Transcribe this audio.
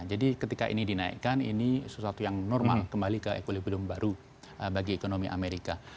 jadi ketika ini dinaikkan ini sesuatu yang normal kembali ke ekolipidum baru bagi ekonomi amerika